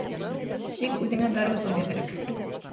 Тик үҙеңә дарыу эсергә кәрәк.